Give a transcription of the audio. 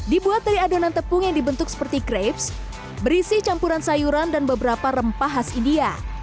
dibuat dari adonan tepung yang dibentuk seperti crabs berisi campuran sayuran dan beberapa rempah khas india